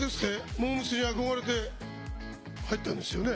モー娘。に憧れて入ったんですよね。